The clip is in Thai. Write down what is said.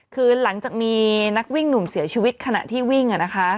คือหลังจากมีนักวิ่งหนุ่มเสียชีวิตขณะที่วิ่ง